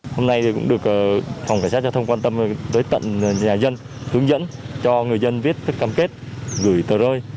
hôm nay thì cũng được phòng cảnh sát giao thông quan tâm tới tận nhà dân hướng dẫn cho người dân viết các cam kết gửi tờ rơi